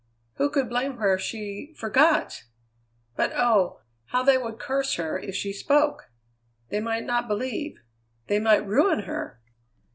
Who could blame her if she forgot? But oh! how they would curse her if she spoke! They might not believe; they might ruin her!